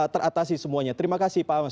terima kasih pak amas